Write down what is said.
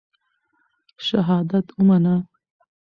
شهادت ومنه.